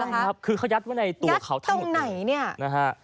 ถูกต้องครับคือเขายัดไว้ในตัวเขาทั้งหมด